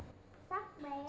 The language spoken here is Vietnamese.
các bà mẹ